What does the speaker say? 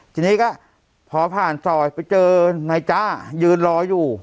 ทีนี้ก็พอพันสอยไปเจอในที่ยืดรออยู่